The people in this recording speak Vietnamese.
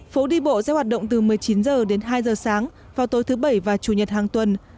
phố đi bộ sẽ hoạt động từ một mươi chín h đến hai h sáng vào tối thứ bảy và chủ nhật hàng tuần